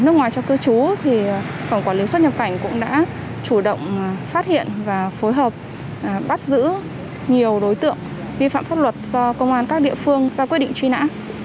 nước ngoài cho cư trú thì phòng quản lý xuất nhập cảnh cũng đã chủ động phát hiện và phối hợp bắt giữ nhiều đối tượng vi phạm pháp luật do công an các địa phương ra quyết định truy nã